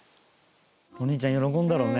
お兄ちゃん喜んだろうね。